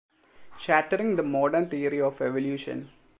Shattering the Modern Theory of Evolution.